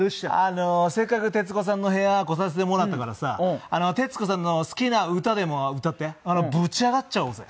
せっかく徹子さんの部屋来させてもらったからさ徹子さんの好きな歌でも歌ってぶち上がっちゃおうぜ。